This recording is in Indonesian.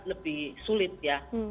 lebih sulit ya